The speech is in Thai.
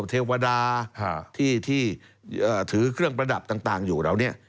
เทวดาที่ถือเครื่องประดับต่างอยู่เหล่านี้